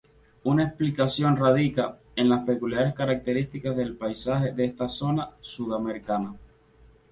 Una explicación radica en las peculiares características del paisaje de esta zona sudamericana.